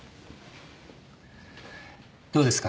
どうですか？